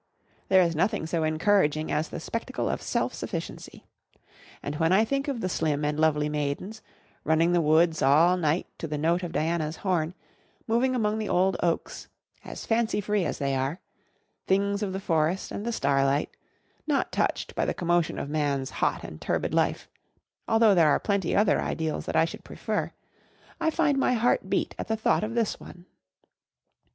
There is nothing so encouraging as the spectacle of self sufficiency. And when I think of the slim and lovely maidens, running the woods all night to the note of Diana's horn; moving among the old oaks, as fancy free as they; things of the forest and the starlight, not touched by the commotion of man's hot and turbid life—although there are plenty other ideals that I should prefer—I find my heart beat at the thought of this one.